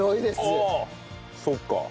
そっか。